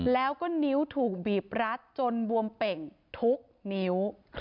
แล้วก็นิ้วถูกบีบรัดจนบวมเป่งทุกนิ้ว